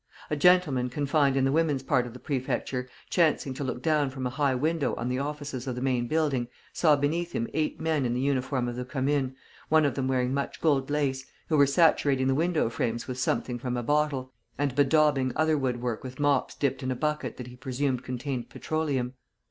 A gentleman confined in the women's part of the Prefecture, chancing to look down from a high window on the offices of the main building, saw beneath him eight men in the uniform of the Commune, one of them wearing much gold lace, who were saturating the window frames with something from a bottle, and bedaubing other woodwork with mops dipped in a bucket that he presumed contained petroleum.